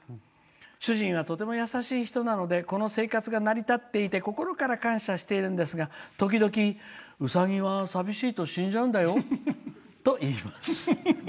主人はとても優しい人なのでこの生活が成り立っていて心から感謝しているんですが時々ウサギは寂しいと死んじゃうんだよと言います。